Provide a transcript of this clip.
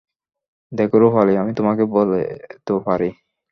দেখো রূপালি, আমি তোমাকে বলে তো পারি।